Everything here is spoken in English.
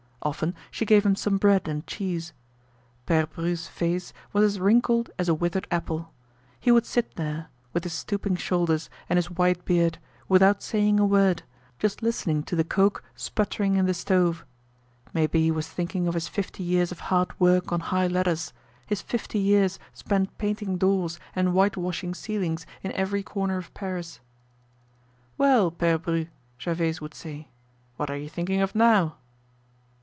Often she gave him some bread and cheese. Pere Bru's face was as wrinkled as a withered apple. He would sit there, with his stooping shoulders and his white beard, without saying a word, just listening to the coke sputtering in the stove. Maybe he was thinking of his fifty years of hard work on high ladders, his fifty years spent painting doors and whitewashing ceilings in every corner of Paris. "Well, Pere Bru," Gervaise would say, "what are you thinking of now?"